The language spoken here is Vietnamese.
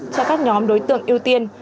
cho các nhóm đối tượng ưu tiên